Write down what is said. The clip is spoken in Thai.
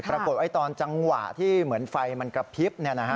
ปรากฏว่าตอนจังหวะที่เหมือนไฟมันกระพริบ